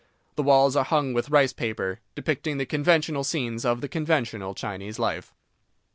The walls are hung with rice paper, depicting the conventional scenes of the conventional Chinese life.